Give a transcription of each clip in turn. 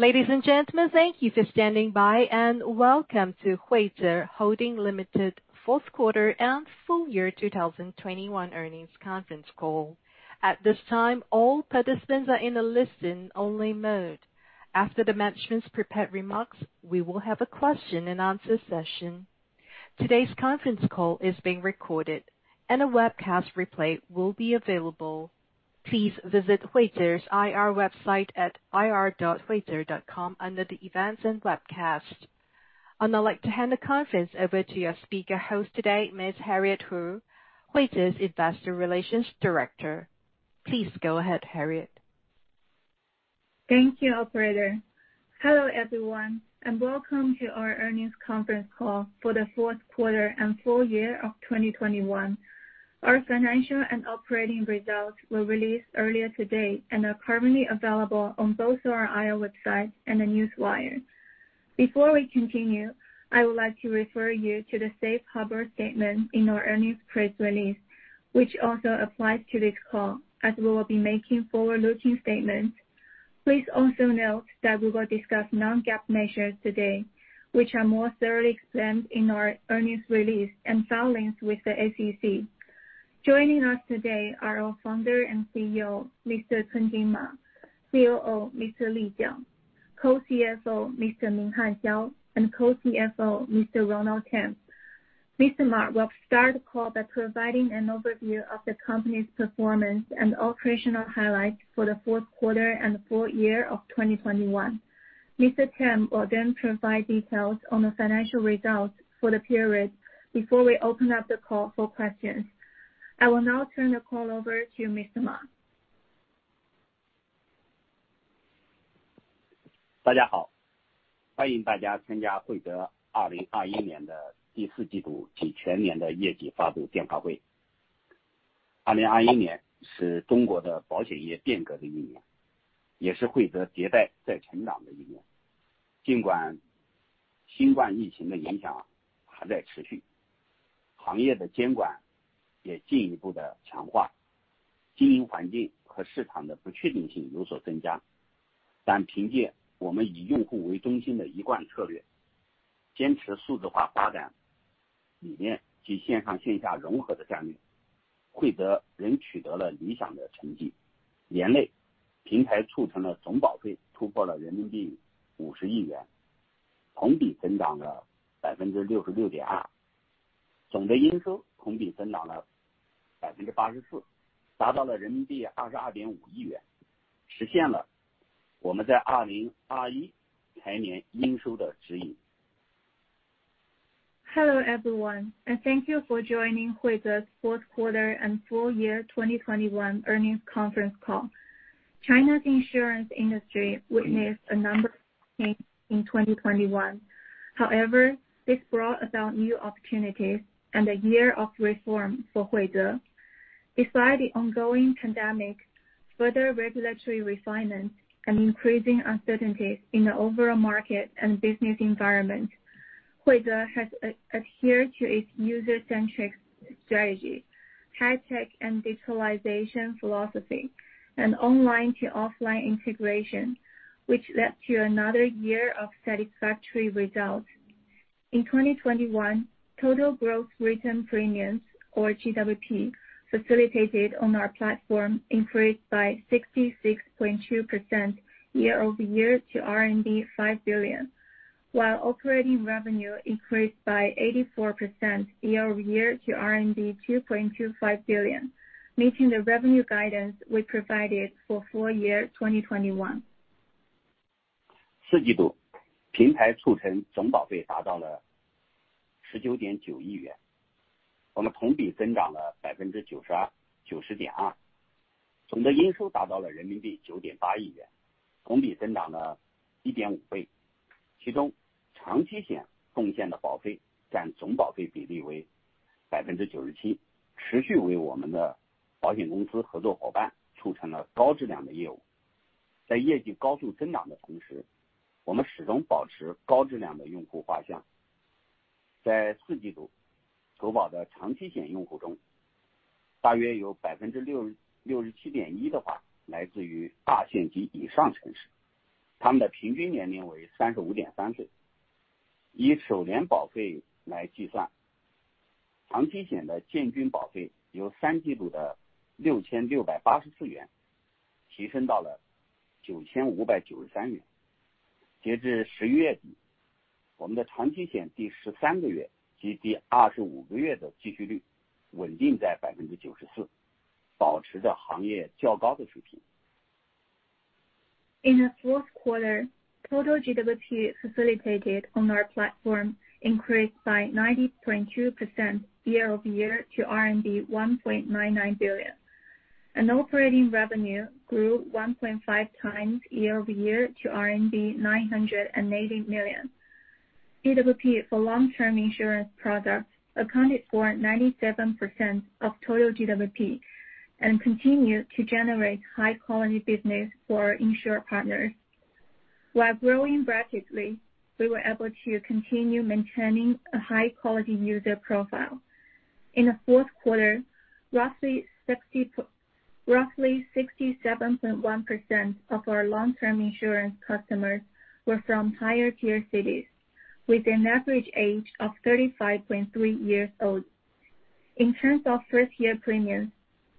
Ladies and gentlemen, thank you for standing by and welcome to Huize Holding Limited Q4 and full year 2021 earnings conference call. At this time, all participants are in a listen-only mode. After the management's prepared remarks, we will have a Q&A session. Today's conference call is being recorded and a webcast replay will be available. Please visit Huize's IR website at ir.huize.com under the Events and Webcast. I'd now like to hand the conference over to your speaker host today, Ms. Harriet Hu, Huize's Investor Relations Director. Please go ahead, Harriet. Thank you, operator. Hello, everyone, and welcome to our earnings conference call for the Q4 and full year of 2021. Our financial and operating results were released earlier today and are currently available on both our IR website and the Newswire. Before we continue, I would like to refer you to the safe harbor statement in our earnings press release, which also applies to this call, as we will be making forward-looking statements. Please also note that we will discuss non-GAAP measures today, which are more thoroughly explained in our earnings release and filings with the SEC. Joining us today are our founder and CEO, Mr. Cunjun Ma, COO, Mr. Li Jiang, co-CFO, Mr. Minghan Xiao, and co-CFO, Mr. Ronald Tam. Mr. Ma will start the call by providing an overview of the company's performance and operational highlights for the Q4 and the full year of 2021. Mr. Tam will then provide details on the financial results for the period before we open up the call for questions. I will now turn the call over to Mr. Ma. Hello, everyone, and thank you for joining Huize's Q4 and full year 2021 earnings conference call. China's insurance industry witnessed a number of changes in 2021. However, this brought about new opportunities and a year of reform for Huize. Despite the ongoing pandemic, further regulatory refinement and increasing uncertainties in the overall market and business environment, Huize has adhered to its user-centric strategy, high tech and digitalization philosophy, and online to offline integration, which led to another year of satisfactory results. In 2021, total gross written premiums, or GWP, facilitated on our platform increased by 66.2% year-over-year to RMB 5 billion, while operating revenue increased by 84% year-over-year to 2.25 billion, meeting the revenue guidance we provided for full year 2021. In the Q4, total GWP facilitated on our platform increased by 90.2% year-over-year to RMB 1.99 billion. Operating revenue grew 1.5x year-over-year to RMB 980 million. GWP for long-term insurance products accounted for 97% of total GWP and continued to generate high-quality business for our insured partners. While growing rapidly, we were able to continue maintaining a high-quality user profile. In the Q4, roughly 67.1% of our long-term insurance customers were from higher tier cities with an average age of 35.3 years old. In terms of first year premium,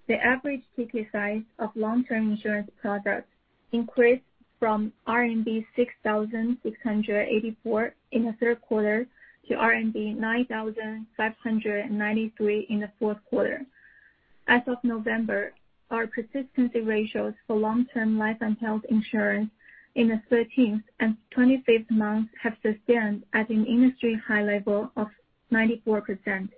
the average ticket size of long-term insurance products increased from RMB 6,684 in the Q3 to RMB 9,593 in the Q4. As of November, our persistency ratios for long-term life and health insurance in the 13th and 25th month have sustained at an industry high level of 94%.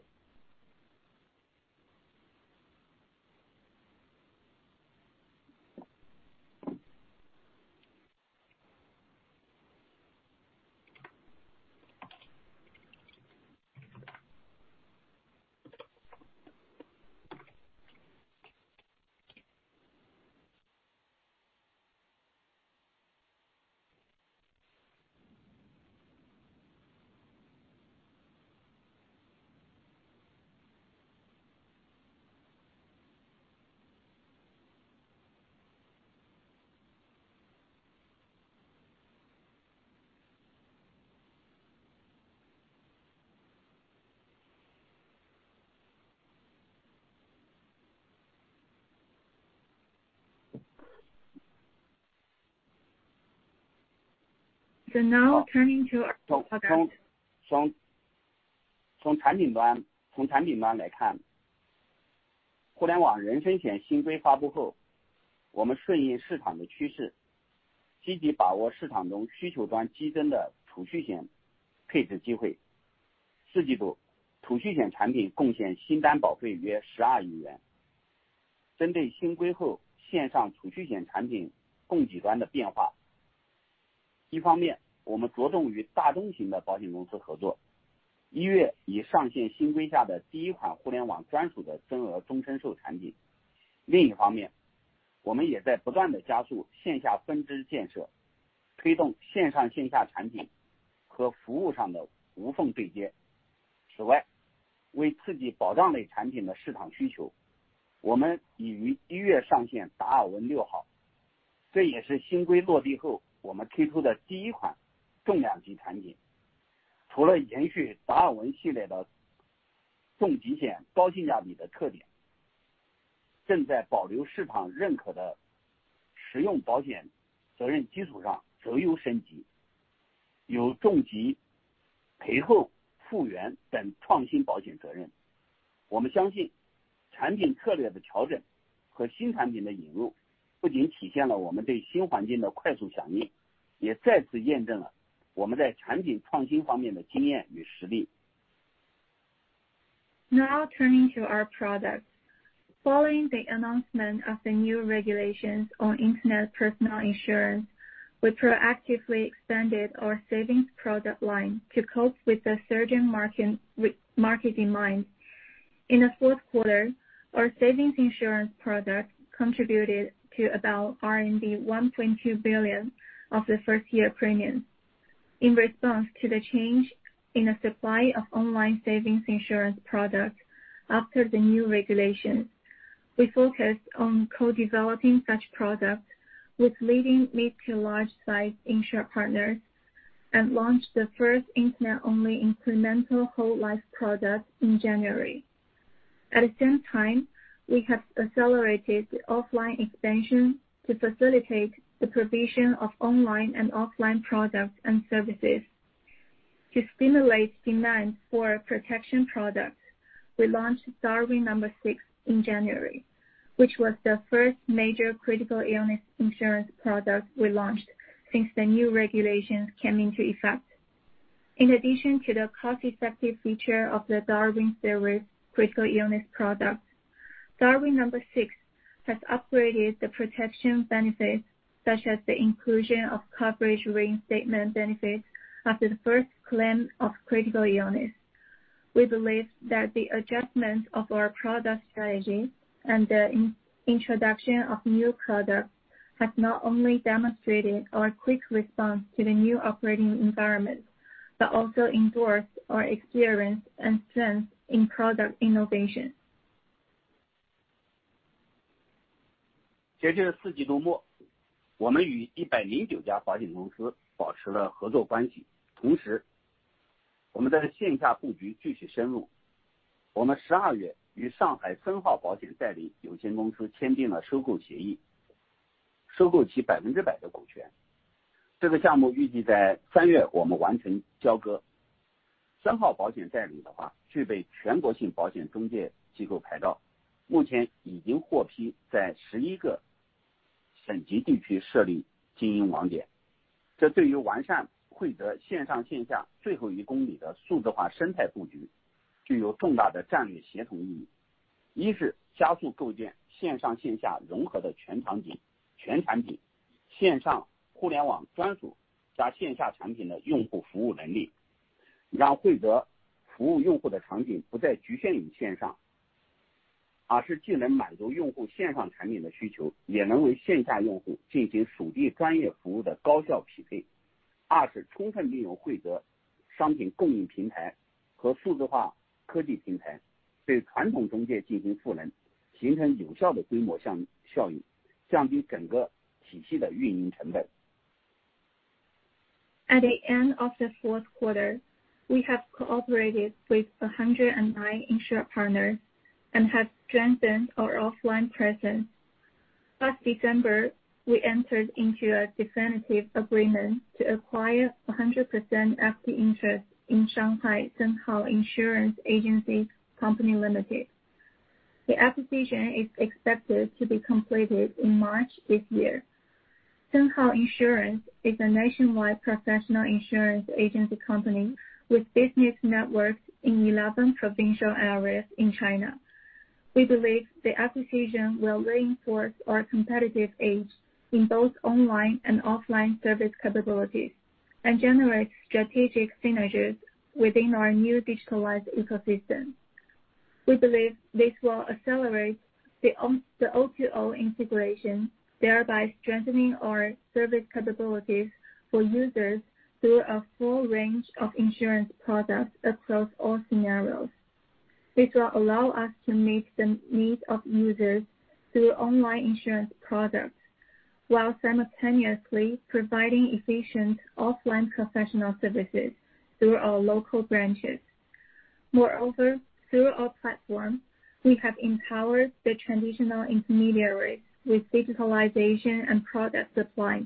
Now turning to our product. Now turning to our products. Following the announcement of the new regulations on internet personal insurance, we proactively expanded our savings product line to cope with the surging market demand. In the Q4, our savings insurance product contributed to about 1.2 billion of the first-year premium. In response to the change in the supply of online savings insurance products after the new regulations, we focused on co-developing such products with leading mid- to large-size insurer partners and launched the first internet-only incremental whole life product in January. At the same time, we have accelerated the offline expansion to facilitate the provision of online and offline products and services. To stimulate demand for protection products, we launched Darwin number six in January, which was the first major critical illness insurance product we launched since the new regulations came into effect. In addition to the cost-effective feature of the Darwin series critical illness product, Darwin number six has upgraded the protection benefits such as the inclusion of coverage reinstatement benefits after the first claim of critical illness. We believe that the adjustments of our product strategy and the introduction of new products has not only demonstrated our quick response to the new operating environment, but also endorsed our experience and strength in product innovation. At the end of the Q4, we have cooperated with 109 insurance partners and have strengthened our offline presence. Last December, we entered into a definitive agreement to acquire 100% of the interest in Shanghai Senhao Insurance Agency Company Limited. The acquisition is expected to be completed in March this year. Senhao Insurance is a nationwide professional insurance agency company with business networks in 11 provincial areas in China. We believe the acquisition will reinforce our competitive edge in both online and offline service capabilities and generate strategic synergies within our new digitalized ecosystem. We believe this will accelerate the O2O integration, thereby strengthening our service capabilities for users through a full range of insurance products across all scenarios. This will allow us to meet the needs of users through online insurance products, while simultaneously providing efficient offline professional services through our local branches. Moreover, through our platform, we have empowered the traditional intermediaries with digitalization and product supply,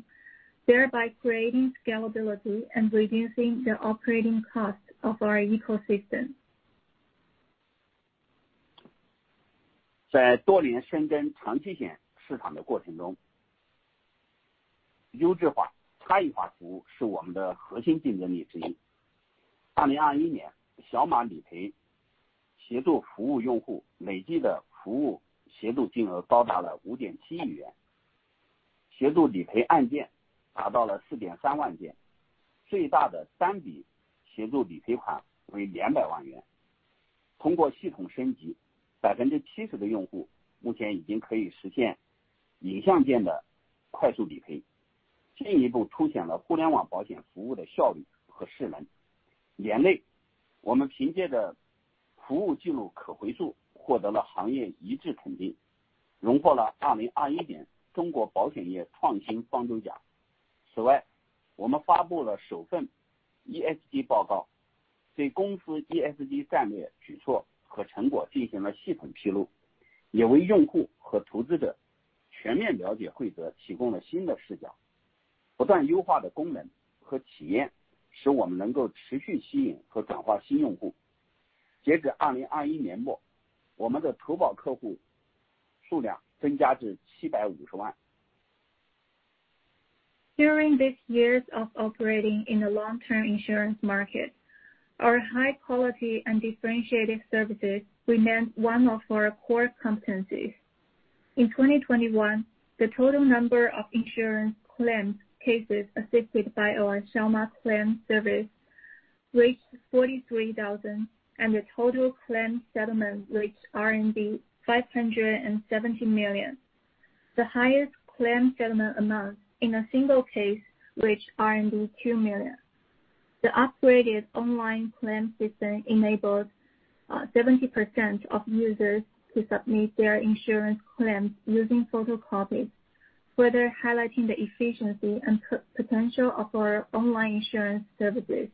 thereby creating scalability and reducing the operating costs of our ecosystem. During these years of operating in the long term insurance market, our high quality and differentiated services remain one of our core competencies. In 2021, the total number of insurance claims cases assisted by our claim service reached 43,000, and the total claim settlement reached RMB 570 million. The highest claim settlement amount in a single case reached RMB 2 million. The upgraded online claim system enabled 70% of users to submit their insurance claims using photocopies, further highlighting the efficiency and potential of our online insurance services.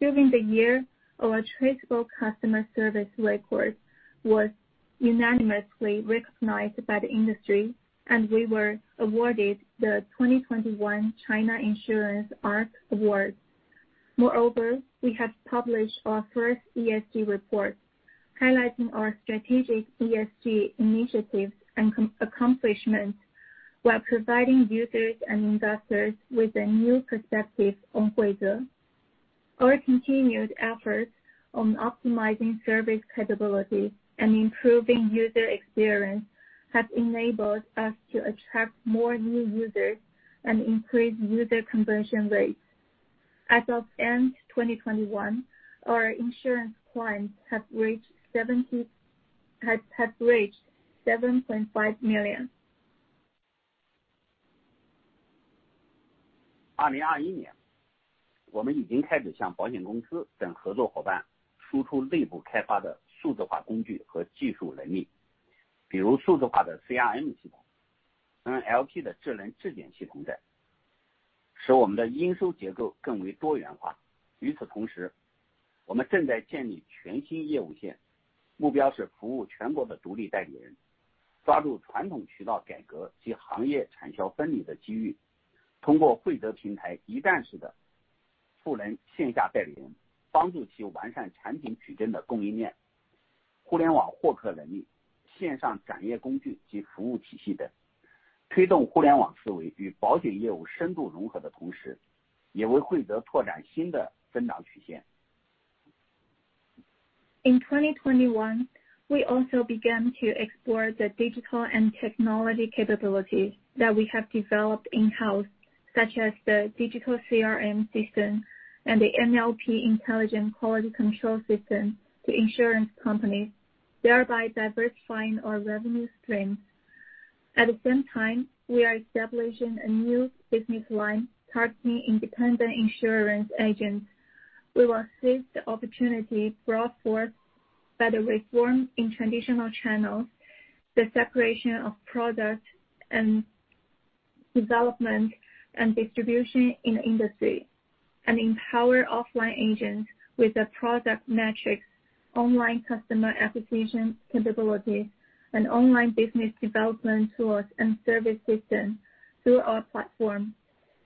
During the year, our traceable customer service records was unanimously recognized by the industry, and we were awarded the 2021 China Insurance ARC Award. Moreover, we have published our first ESG report highlighting our strategic ESG initiatives and accomplishments while providing users and investors with a new perspective on Huize. Our continued efforts on optimizing service capabilities and improving user experience has enabled us to attract more new users and increase user conversion rates. As of end 2021, our insurance clients have reached 7.5 million. In 2021, we also began to explore the digital and technology capabilities that we have developed in-house, such as the digital CRM system and the NLP intelligent quality control system to insurance companies, thereby diversifying our revenue streams. At the same time, we are establishing a new business line targeting independent insurance agents. We will seize the opportunity brought forth by the reform in traditional channels, the separation of product development and distribution in the industry, and empower offline agents with a product matrix, online customer acquisition capabilities, and online business development tools and service systems through our platform.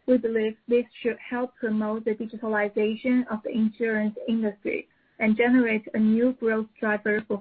We believe this should help promote the digitalization of the insurance industry and generate a new growth driver for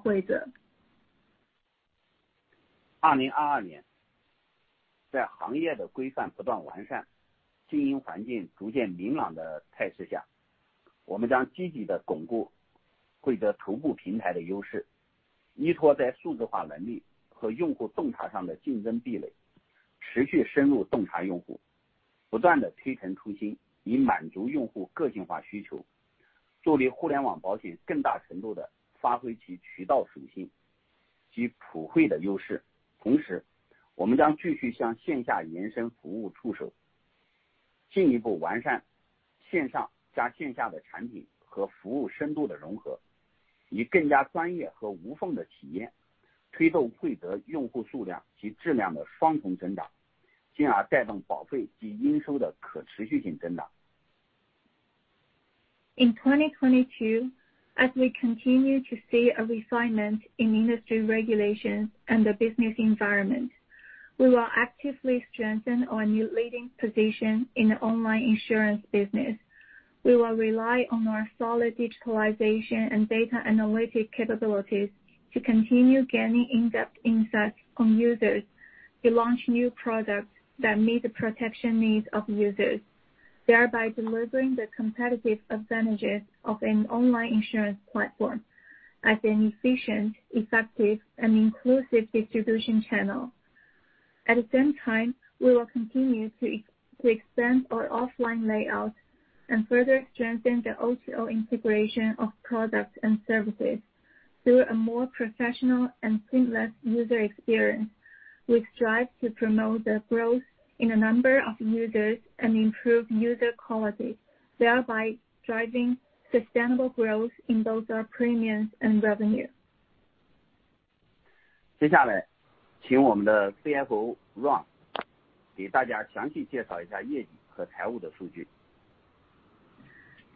Huize.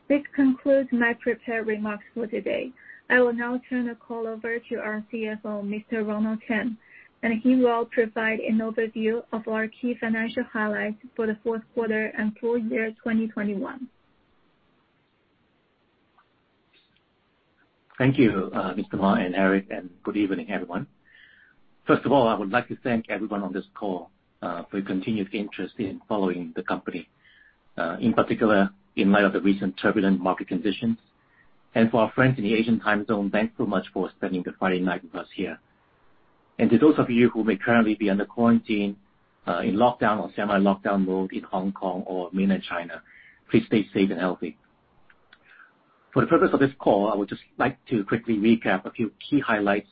This concludes my prepared remarks for today. I will now turn the call over to our CFO, Mr. Ronald Tam, he will provide an overview of our key financial highlights for the Q4 and full year 2021. Thank you, Mr. Ma and Harriet Hu, and good evening, everyone. First of all, I would like to thank everyone on this call for your continued interest in following the company, in particular in light of the recent turbulent market conditions. For our friends in the Asian time zone, thanks so much for spending the Friday night with us here. To those of you who may currently be under quarantine in lockdown or semi-lockdown mode in Hong Kong or mainland China, please stay safe and healthy. For the purpose of this call, I would just like to quickly recap a few key highlights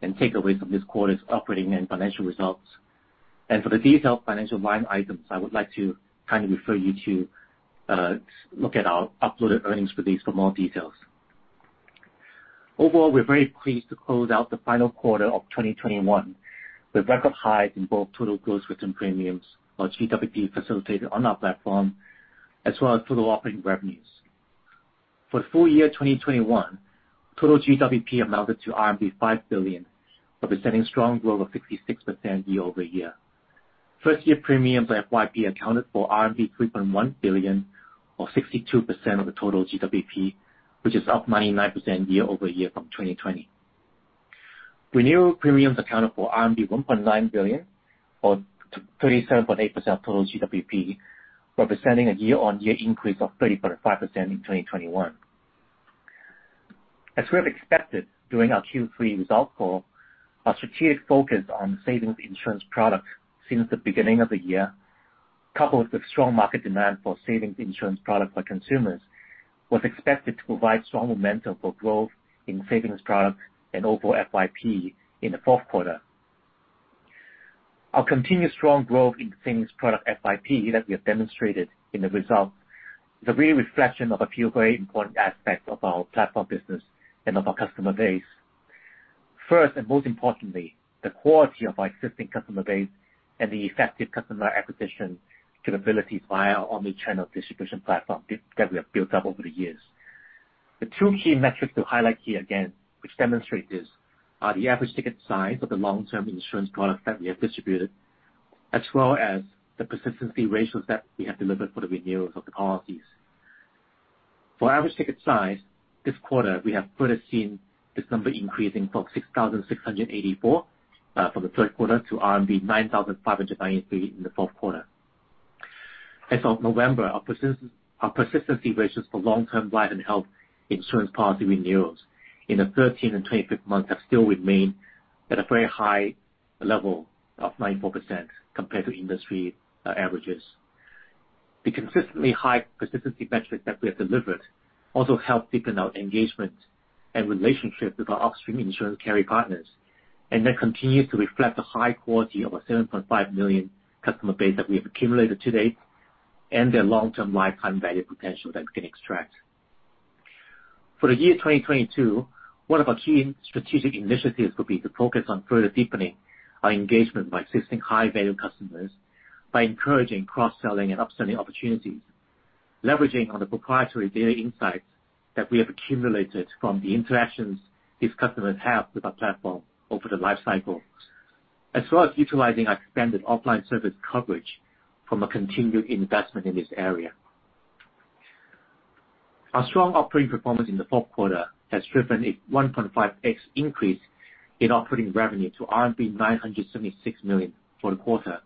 and takeaways from this quarter's operating and financial results. For the detailed financial line items, I would like to kindly refer you to look at our uploaded earnings release for more details. Overall, we're very pleased to close out the final quarter of 2021 with record highs in both total gross written premiums or GWP facilitated on our platform, as well as total operating revenues. For full year 2021, total GWP amounted to 5 billion, representing strong growth of 66% year-over-year. First year premiums or FYP accounted for RMB 3.1 billion or 62% of the total GWP, which is up 99% year-over-year from 2020. Renewal premiums accounted for RMB 1.9 billion or 37.8% of total GWP, representing a year-over-year increase of 30.5% in 2021. As we have expected during our Q3 results call, our strategic focus on savings insurance products since the beginning of the year, coupled with strong market demand for savings insurance products by consumers, was expected to provide strong momentum for growth in savings products and overall FYP in the Q4. Our continued strong growth in savings product FYP that we have demonstrated in the result is a real reflection of a few very important aspects of our platform business and of our customer base. First, and most importantly, the quality of our existing customer base and the effective customer acquisition capabilities via our omni-channel distribution platform that we have built up over the years. The two key metrics to highlight here again which demonstrate this are the average ticket size of the long-term insurance products that we have distributed, as well as the persistency ratios that we have delivered for the renewals of the policies. For average ticket size, this quarter we have further seen this number increasing from 6,684 from the Q3 to RMB 9,593 in the Q4. As of November, our persistency ratios for long-term life and health insurance policy renewals in the 13th and 25th month have still remained at a very high level of 94% compared to industry averages. The consistently high persistency metrics that we have delivered also help deepen our engagement and relationship with our upstream insurance carrier partners, and that continues to reflect the high quality of our 7.5 million customer base that we have accumulated to date, and their long-term lifetime value potential that we can extract. For the year 2022, one of our key strategic initiatives will be to focus on further deepening our engagement with existing high-value customers, by encouraging cross-selling and upselling opportunities, leveraging on the proprietary data insights that we have accumulated from the interactions these customers have with our platform over the lifecycle, as well as utilizing our expanded offline service coverage from a continued investment in this area. Our strong operating performance in the Q4 has driven a 1.5x increase in operating revenue to RMB 976 million for the quarter,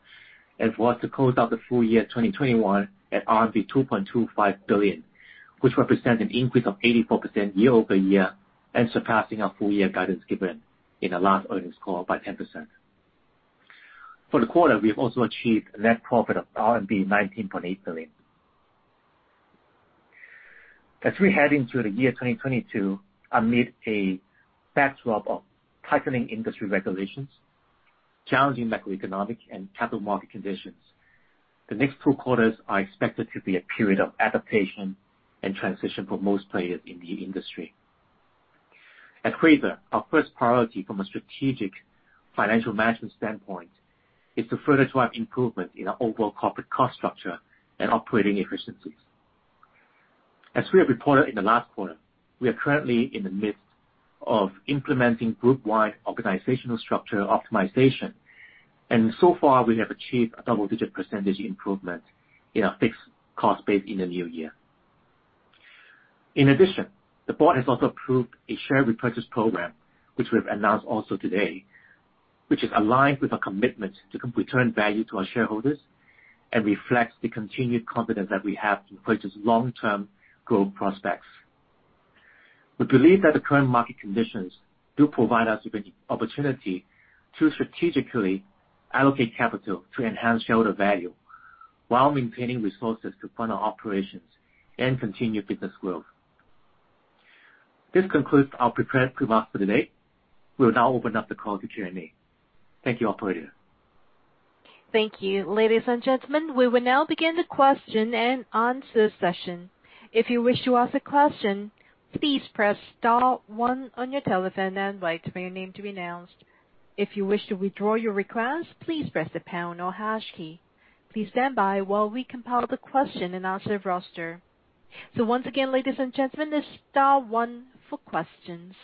and for us to close out the full year 2021 at RMB 2.25 billion, which represents an increase of 84% year-over-year and surpassing our full year guidance given in our last earnings call by 10%. For the quarter, we have also achieved a net profit of RMB 19.8 billion. As we head into the year 2022 amid a backdrop of tightening industry regulations, challenging macroeconomic and capital market conditions, the next two quarters are expected to be a period of adaptation and transition for most players in the industry. At Huize, our first priority from a strategic financial management standpoint is to further drive improvement in our overall corporate cost structure and operating efficiencies. As we have reported in the last quarter, we are currently in the midst of implementing group-wide organizational structure optimization, and so far we have achieved a double-digit percentage improvement in our fixed cost base in the new year. In addition, the board has also approved a share repurchase program, which we have announced also today, which is aligned with our commitment to return value to our shareholders and reflects the continued confidence that we have in Huize's long-term growth prospects. We believe that the current market conditions do provide us with an opportunity to strategically allocate capital to enhance shareholder value, while maintaining resources to fund our operations and continue business growth. This concludes our prepared remarks for today. We will now open up the call to Q&A. Thank you, operator. Thank you. Ladies and gentlemen, we will now begin the Q&A session. If you wish to ask a question, please press star one on your telephone and wait for your name to be announced. If you wish to withdraw your request, please press the pound or hash key. Please stand by while we compile the Q&A roster. Once again, ladies and gentlemen, it's star one for questions.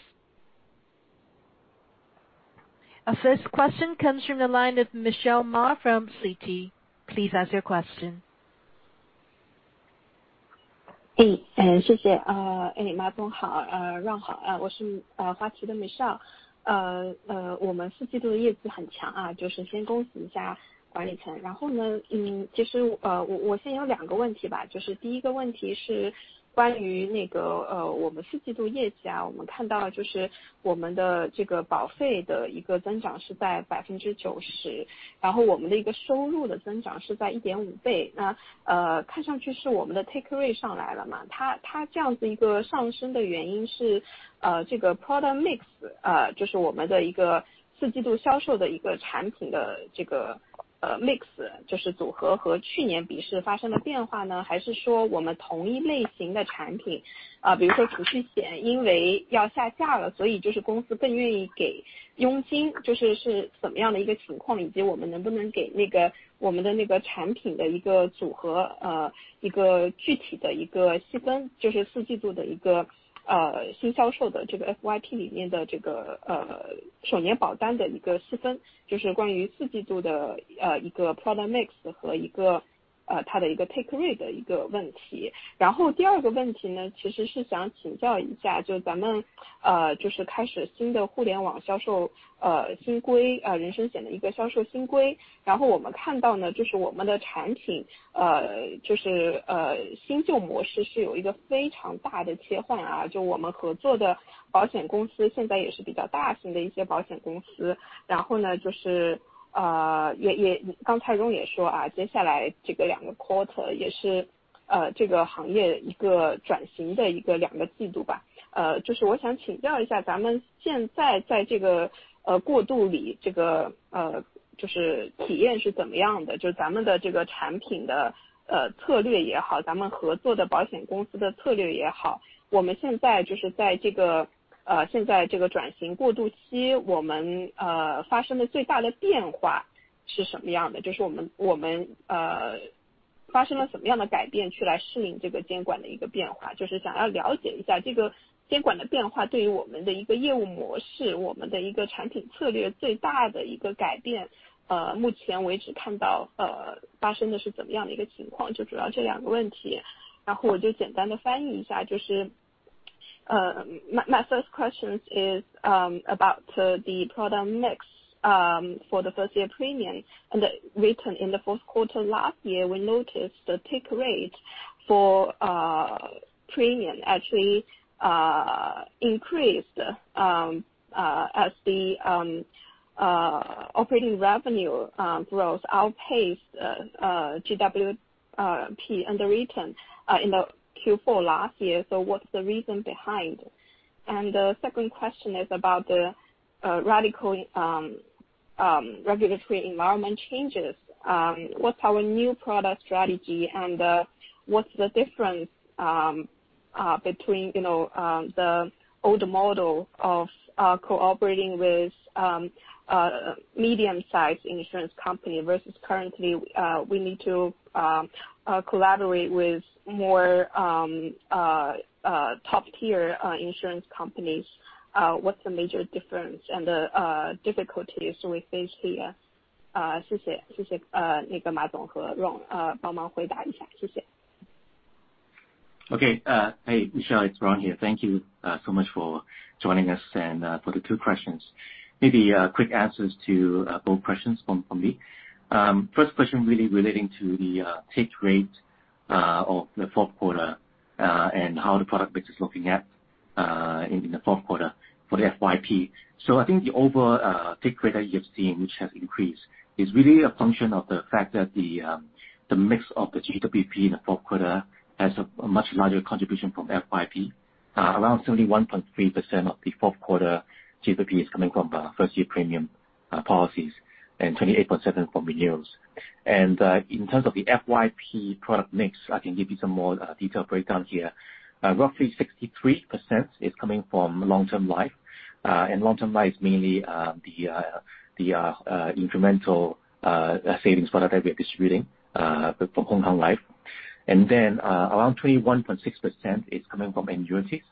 Our first question comes from the line of Michelle Ma from Citi. Please ask your question. 谢谢。马总好，Ron好，我是花旗的Michelle。我们四季度的业绩很强啊，就是先恭喜一下管理层，然后呢，其实我现在有两个问题吧，就是第一个问题是关于那个，我们四季度业绩啊，我们看到就是我们的这个保费的一个增长是在90%，然后我们的一个收入的增长是在1.5倍，那，看上去是我们的take rate上来了嘛，它这样子一个上升的原因是，这个product mix，就是我们的一个四季度销售的一个产品的，这个mix，就是组合和去年比是发生了变化呢，还是说我们同一类型的产品，比如说储蓄险，因为要下价了，所以就是公司更愿意给佣金，就是是怎么样的一个情况，以及我们能不能给那个我们的那个产品的一个组合，一个具体的一个细分，就是四季度的一个，新销售的这个FYP里面的这个，首年保单的一个细分，就是关于四季度的，一个product mix和一个，它的一个take My first question is about the product mix for the first-year premium written in the Q4 last year. We noticed the take rate for premium actually increased as the operating revenue growth outpaced GWP written in the Q4 last year. What is the reason behind? The second question is about the radical regulatory environment changes. What's our new product strategy and what's the difference between you know the old model of cooperating with medium-sized insurance company versus currently we need to collaborate with more top-tier insurance companies. What's the major difference and the difficulties we face here? Thank you. Okay. Hey, Michelle. It's Ron here. Thank you so much for joining us and for the two questions. Maybe quick answers to both questions from me. First question really relating to the take rate of the Q4 and how the product mix is looking in the Q4 for the FYP. I think the overall take rate that you have seen, which has increased, is really a function of the fact that the mix of the GWP in the Q4 has a much larger contribution from FYP. Around 71.3% of the Q4 GWP is coming from first year premium policies and 28.7% from renewals. In terms of the FYP product mix, I can give you some more detailed breakdown here. Roughly 63% is coming from long-term life. Long-term life mainly the incremental savings product that we are distributing from Hong Kong Life. Around 21.6% is coming from annuities.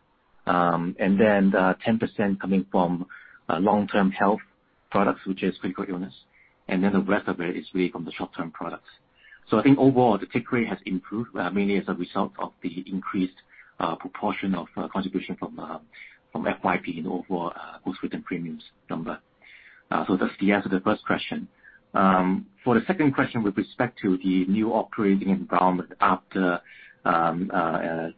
10% coming from long-term health products, which is critical illness. The rest of it is really from the short-term products. I think overall the take rate has improved, mainly as a result of the increased proportion of contribution from FYP in the overall gross written premiums number. That's the answer to the first question. For the second question with respect to the new operating environment after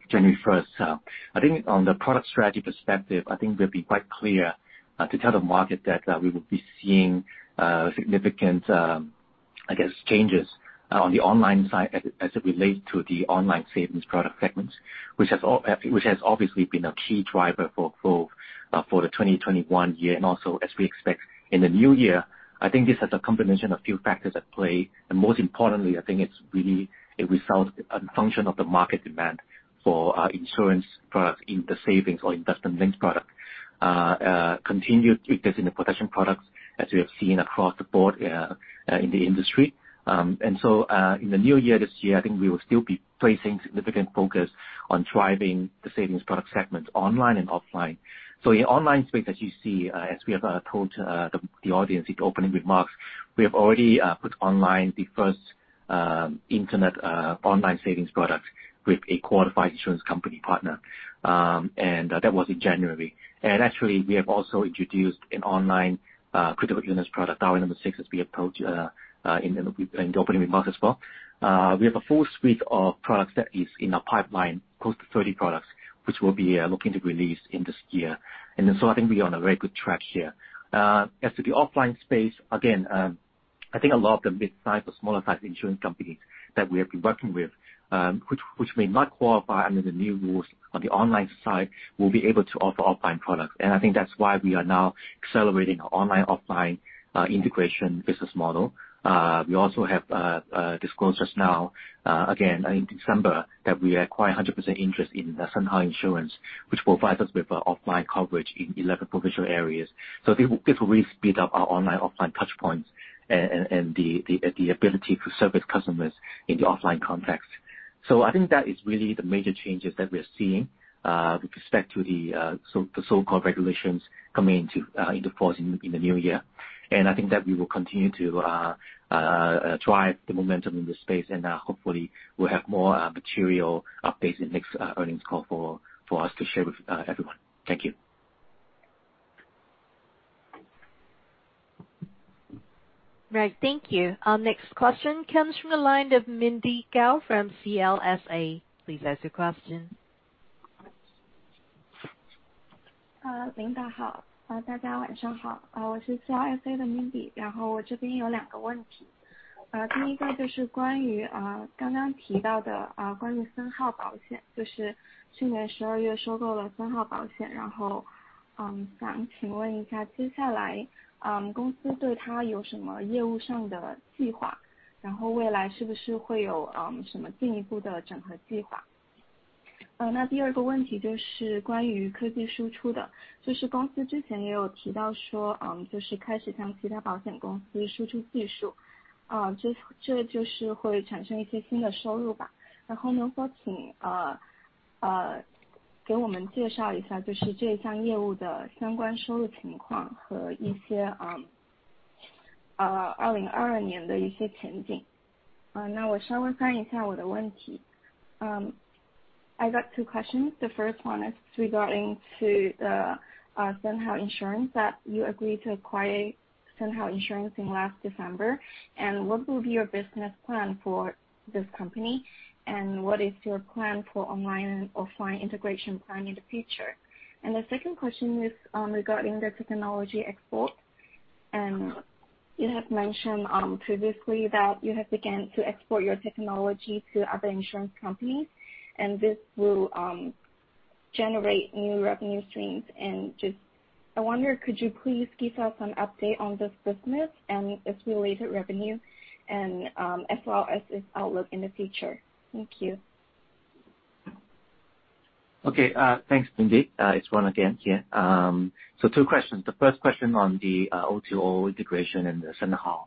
January first, I think on the product strategy perspective, I think we'll be quite clear to tell the market that we will be seeing significant, I guess, changes on the online side as it relates to the online savings product segments, which has obviously been a key driver for growth for the 2021 year, and also as we expect in the new year. I think this has a combination of few factors at play, and most importantly, I think it's really a result, a function of the market demand for insurance products in the savings or investment linked product, continued weakness in the protection products as we have seen across the board in the industry. In the new year, this year, I think we will still be placing significant focus on driving the savings product segments online and offline. In online space, as you see, as we have told the audience in opening remarks, we have already put online the first internet online savings product with a qualified insurance company partner. That was in January. Actually, we have also introduced an online critical illness product, our number six, as we mentioned in the opening remarks as well. We have a full suite of products that is in our pipeline, close to 30 products, which we'll be looking to release in this year. I think we are on a very good track here. As to the offline space, again, I think a lot of the mid-size or smaller size insurance companies that we have been working with, which may not qualify under the new rules on the online side will be able to offer offline products. I think that's why we are now accelerating our online, offline integration business model. We also have disclosed just now, again in December that we acquired 100% interest in the Senhao Insurance, which will provide us with offline coverage in 11 provincial areas. This will really speed up our online, offline touch points and the ability to service customers in the offline context. I think that is really the major changes that we're seeing with respect to the so-called regulations coming into force in the new year. I think that we will continue to drive the momentum in this space. Hopefully we'll have more material updates in next earnings call for us to share with everyone. Thank you. Right. Thank you. Our next question comes from the line of Mindy Gao from CLSA. Please ask your question. Uh, I got two questions. The first one is regarding the Senhao Insurance that you agreed to acquire Senhao Insurance in last December. What will be your business plan for this company, and what is your plan for online and offline integration plan in the future? The second question is regarding the technology export. You have mentioned previously that you have begun to export your technology to other insurance companies, and this will generate new revenue streams. I just wonder, could you please give us an update on this business and its related revenue, as well as its outlook in the future? Thank you. Okay. Thanks, Lindy. It's Ron again here. So two questions. The first question on the O2O integration and the Senhao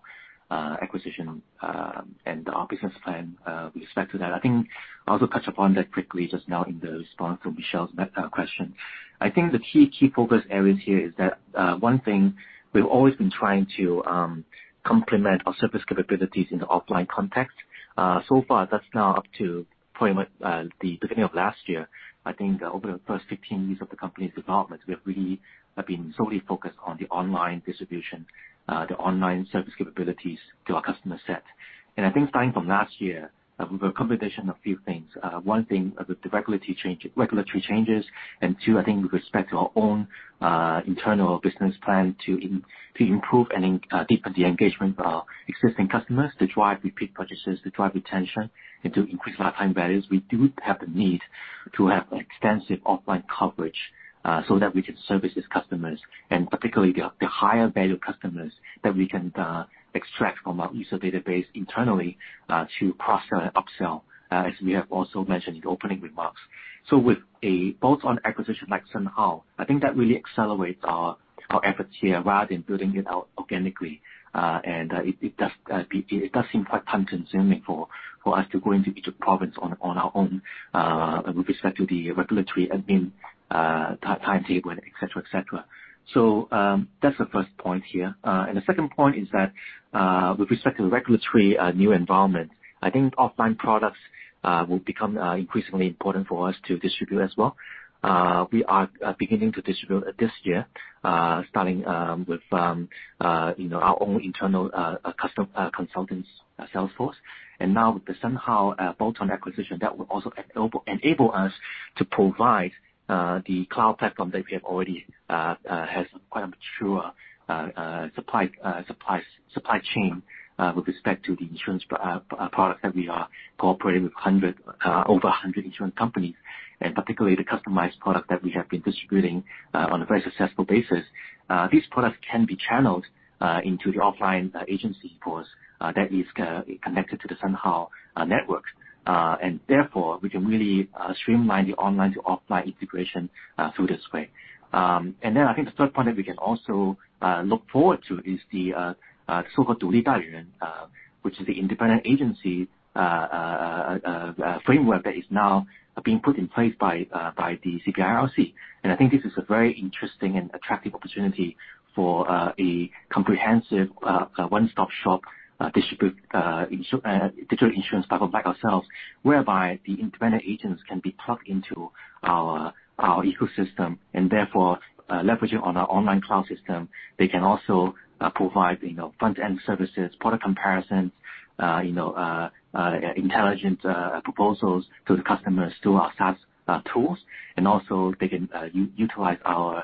acquisition and our business plan with respect to that. I think I also touch upon that quickly just now in the response to Michelle's question. I think the key focus areas here is that one thing we've always been trying to complement our service capabilities in the offline context. So far that's now up to pretty much the beginning of last year. I think over the first 15 years of the company's development, we have been solely focused on the online distribution, the online service capabilities to our customer set. I think starting from last year, we've a combination of few things. One thing is the regulatory changes. Two, I think with respect to our own internal business plan to improve and deepen the engagement with our existing customers to drive repeat purchases, to drive retention, and to increase lifetime values. We do have the need to have extensive offline coverage, so that we can service these customers and particularly the higher value customers that we can extract from our user database internally to cross-sell and upsell, as we have also mentioned in the opening remarks. With a bolt-on acquisition like Senhao, I think that really accelerates our efforts here rather than building it out organically. It does seem quite time-consuming for us to go into each province on our own with respect to the regulatory admin timetable, et cetera, et cetera. That's the first point here. The second point is that with respect to regulatory new environment, I think offline products will become increasingly important for us to distribute as well. We are beginning to distribute this year, starting with you know, our own internal customer consultants sales force. Now with the Senhao bolt-on acquisition that will also enable us to provide the cloud platform that we have already has quite a mature supply chain with respect to the insurance product that we are cooperating with over a hundred insurance companies and particularly the customized product that we have been distributing on a very successful basis. These products can be channeled into the offline agency force that is connected to the Senhao network. Therefore, we can really streamline the online to offline integration through this way. I think the third point that we can also look forward to is the so-called independent agent framework that is now being put in place by the CBIRC. I think this is a very interesting and attractive opportunity for a comprehensive one-stop-shop digital insurance platform by ourselves, whereby the independent agents can be plugged into our ecosystem and therefore leveraging on our online cloud system. They can also provide, you know, front-end services, product comparisons, you know, intelligent proposals to the customers through our SaaS tools. They can utilize our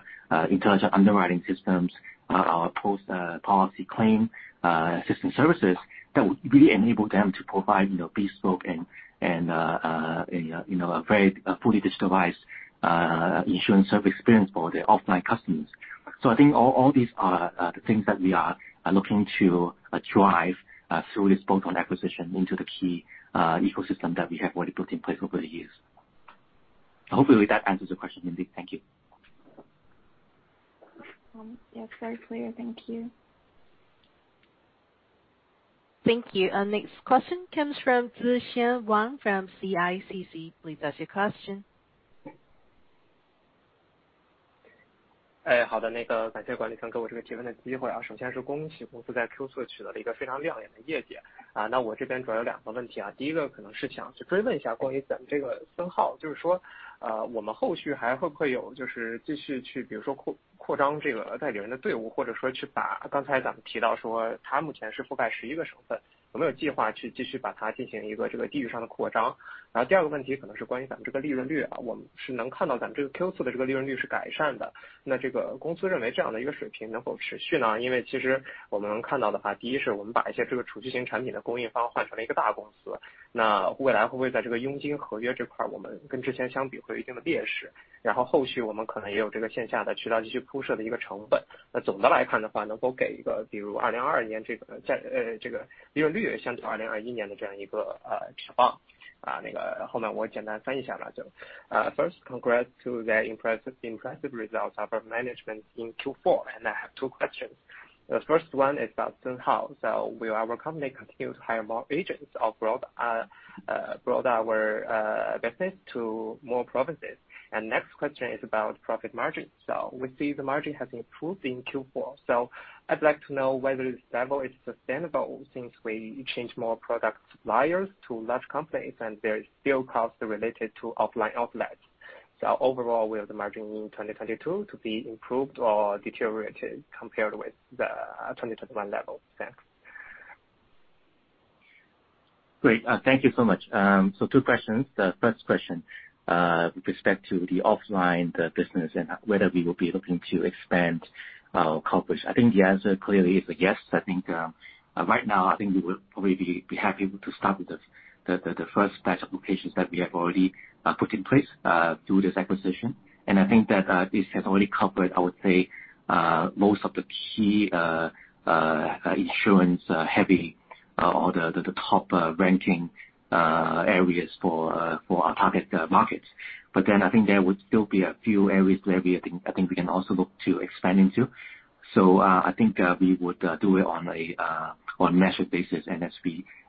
intelligent underwriting systems, our post-policy claim assistant services that will really enable them to provide, you know, bespoke and you know a very fully digitalized insurance service experience for their offline customers. I think all these are the things that we are looking to drive through this bolt-on acquisition into the key ecosystem that we have already built in place over the years. Hopefully that answers the question, Lindy. Thank you. Yes, very clear. Thank you. Thank you. Our next question comes from Zixuan Wang from CICC. Please ask your question. First, congrats to the impressive results of our management in Q4. I have two questions. The first one is about Senhao. Will our company continue to hire more agents or grow our business to more provinces? Next question is about profit margin. We see the margin has improved in Q4. I'd like to know whether this level is sustainable since we changed more product suppliers to large companies and there is still costs related to offline outlets. Overall, will the margin in 2022 to be improved or deteriorated compared with the 2021 level? Thanks. Great. Thank you so much. Two questions. The first question, with respect to the offline business and whether we will be looking to expand our coverage. I think the answer clearly is yes. I think right now we will probably be happy to start with the first batch of locations that we have already put in place through this acquisition. I think that this has already covered, I would say, most of the key insurance heavy or the top ranking areas for our target markets. I think there would still be a few areas where we can also look to expand into. I think we would do it on a measured basis.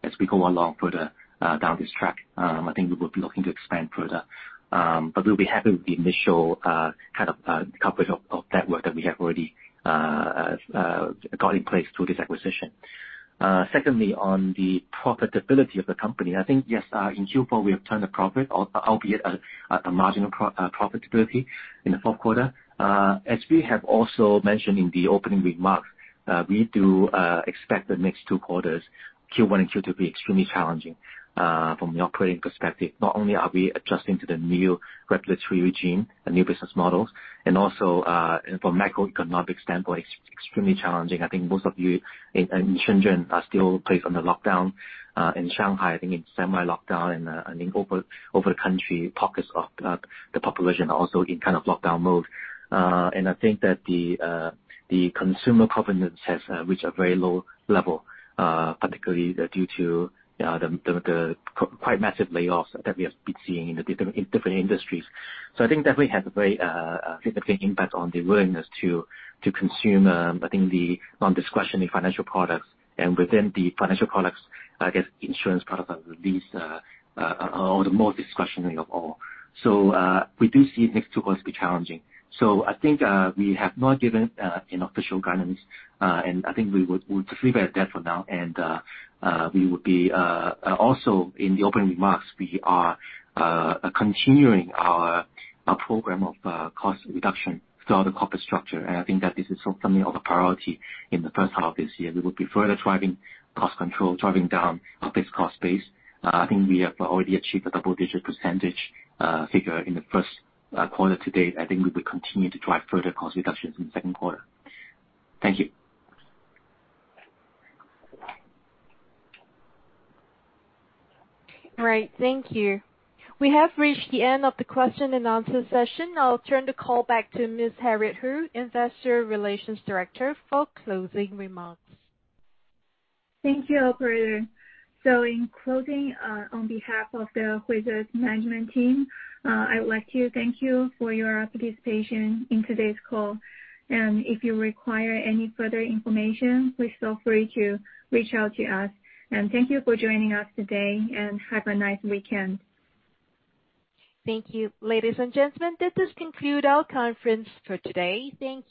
As we go along further down this track, I think we will be looking to expand further. But we'll be happy with the initial kind of coverage of network that we have already got in place through this acquisition. Secondly, on the profitability of the company, I think yes, in Q4 we have turned a profit, albeit a marginal profitability in the Q4. As we have also mentioned in the opening remarks, we do expect the next two quarters, Q1 and Q2, to be extremely challenging from the operating perspective. Not only are we adjusting to the new regulatory regime and new business models and also from macroeconomic standpoint, extremely challenging. I think most of you in Shenzhen are still placed under lockdown. In Shanghai, I think it's semi lockdown and in across the country, pockets of the population are also in kind of lockdown mode. I think that the consumer confidence has reached a very low level, particularly due to the quite massive layoffs that we have been seeing in different industries. I think definitely has a very significant impact on the willingness to consume, I think, the non-discretionary financial products. Within the financial products, I guess insurance products are the least or the most discretionary of all. We do see next two quarters to be challenging. I think we have not given an official guidance, and I think we'll just leave it at that for now. We would be also in the opening remarks. We are continuing our program of cost reduction throughout the corporate structure. I think that this is something of a priority in the first half of this year. We will be further driving cost control, driving down our fixed cost base. I think we have already achieved a double-digit percentage figure in the Q1 to date. I think we will continue to drive further cost reductions in the Q2. Thank you. All right. Thank you. We have reached the end of the question and answer session. I'll turn the call back to Ms. Harriet Hu, Investor Relations Director, for closing remarks. Thank you, operator. In closing, on behalf of the Huize's management team, I would like to thank you for your participation in today's call. If you require any further information, please feel free to reach out to us. Thank you for joining us today, and have a nice weekend. Thank you. Ladies and gentlemen, that does conclude our conference for today. Thank you.